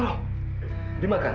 aku akan menikahkan kamu dengan anakku